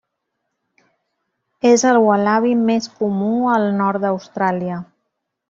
És el ualabi més comú al nord d'Austràlia.